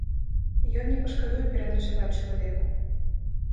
Ён не пашкадуе пераначаваць чалавеку.